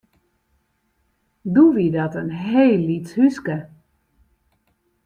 Doe wie dat in heel lyts húske.